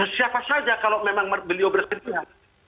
siapa saja kalau memang beliau bersedia